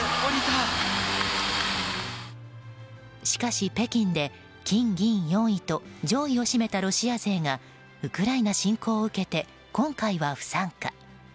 しかし北京で金、銀、４位と上位を占めたロシア勢がウクライナ侵攻を受けて今回は不参加。